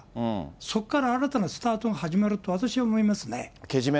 そこから新たなスタートが始まると、私は思いますね。